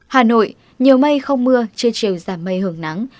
hà nội nhiều mây không mưa trưa chiều giảm mây hưởng nắng